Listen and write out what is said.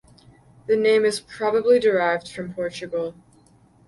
The name is probably derived from Portugal.